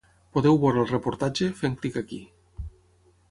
Podeu veure el reportatge, fent clic aquí.